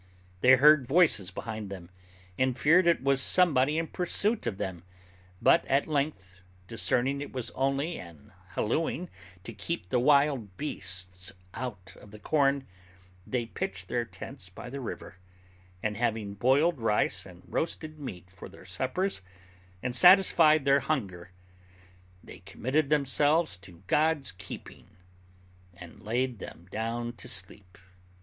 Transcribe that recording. They heard voices behind them, and feared it was somebody in pursuit of them; but at length, discerning it was only an hallooing to keep the wild beasts out of the corn, they pitched their tents by the river, and having boiled rice and roasted meat for their suppers, and satisfied their hunger, they committed themselves to God's keeping, and laid them down to sleep.